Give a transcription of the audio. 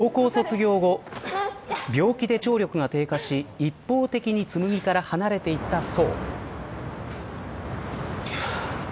高校卒業後病気で聴力が低下し、一方的に紬から離れていった想。